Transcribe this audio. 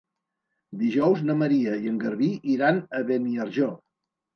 Dijous na Maria i en Garbí iran a Beniarjó.